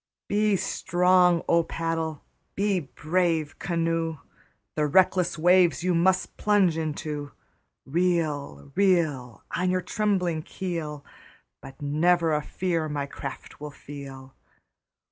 Be strong, O paddle! be brave, canoe! The reckless waves you must plunge into. Reel, reel. On your trembling keel, But never a fear my craft will feel.